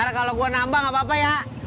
ntar kalau gua nambah gak apa apa ya